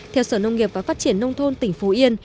theo sở nông nghiệp và phát triển nông thôn tỉnh phú yên